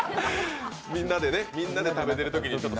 みんなで食べてるときにね。